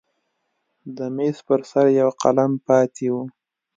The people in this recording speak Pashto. د میز پر سر یو قلم پاتې و.